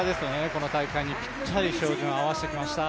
この大会にぴったり照準を合わせてきました。